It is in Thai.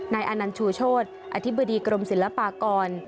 อานันต์ชูโชธอธิบดีกรมศิลปากร